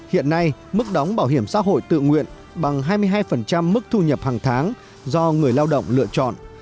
hiện nay mức đóng bảo hiểm xã hội tự nguyện bằng hai mươi hai mức thu nhập hàng tháng do người lao động lựa chọn